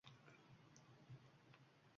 Egik machta g‘ijillar ingroq…